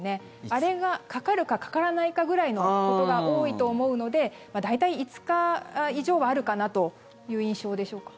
あれがかかるかかからないかぐらいのことが多いと思うので大体５日以上はあるかなという印象でしょうか。